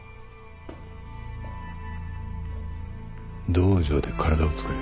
道場で体をつくれ。